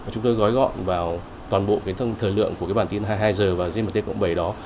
chúng tôi gói gọn vào toàn bộ cái thời lượng của cái bản tin hai mươi hai h và gmt bảy đó